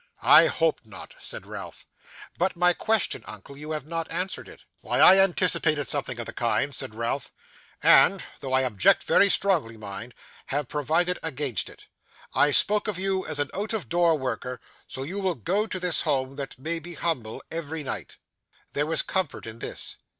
'I hope not,' said Ralph. 'But my question, uncle; you have not answered it.' 'Why, I anticipated something of the kind,' said Ralph; 'and though I object very strongly, mind have provided against it. I spoke of you as an out of door worker; so you will go to this home that may be humble, every night.' There was comfort in this.